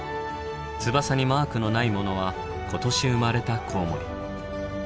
翼にマークのないものは今年生まれたコウモリ。